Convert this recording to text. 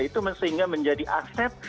itu sehingga menjadi aset